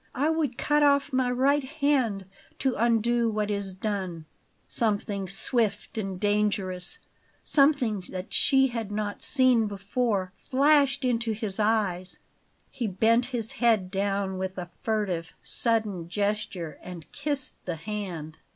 I would cut off my right hand to undo what it has done." Something swift and dangerous something that she had not seen before, flashed into his eyes. He bent his head down with a furtive, sudden gesture and kissed the hand.